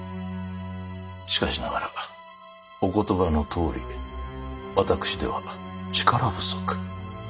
しかしながらお言葉のとおり私では力不足。